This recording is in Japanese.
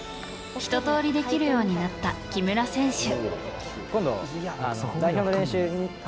ひと通りできるようになった木村選手。